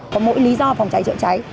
có mỗi lý do phòng cháy chữa cháy